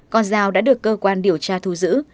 con dao đã được cơ quan điều tra thu giữ